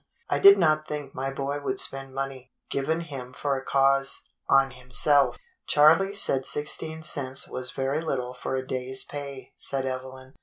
I did not think my boy would spend money, given him for a cause, on himself." " Charley said sixteen cents was very little for a day's pay," said Evelyn.